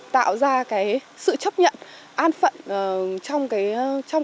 tạo ra cái sự chấp nhận an phận trong cái suy nghĩ và trong cái tiềm thức của cộng đồng